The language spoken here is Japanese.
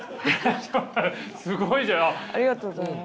ありがとうございます。